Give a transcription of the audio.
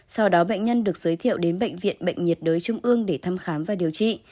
sau đó bệnh nhân được giới thiệu đến bệnh viện bệnh nhiệt đới trung ương để thăm khám và điều trị